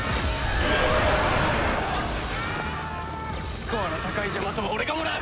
スコアの高いジャマトは俺がもらう！